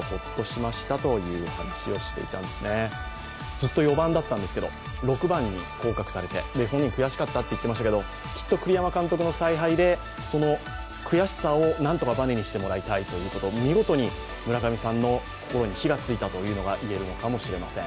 ずっと４番だったんですけど６番に降格されて本人、悔しかったと言ってましたけど、きっと栗山監督の采配でその悔しさを何とかバネにしてもらいたいということで、見事に村上さんの心に火がついたと言うことがいえるかもしれません。